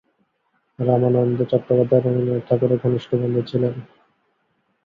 রামানন্দ চট্টোপাধ্যায় রবীন্দ্রনাথ ঠাকুরের ঘনিষ্ঠ বন্ধু ছিলেন।